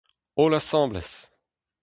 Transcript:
Holl asambles !